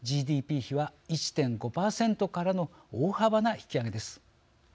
ＧＤＰ比は１．５％からの大幅な引き上げです。